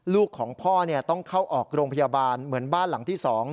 ลูกของพ่อต้องเข้าออกโรงพยาบาลเหมือนบ้านหลังที่๒